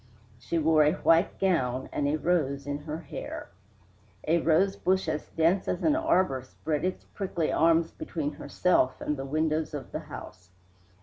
She wore a white gown and a rose in her hair. A rosebush as dense as an arbor spread its prickly arms between herself and the windows of the house.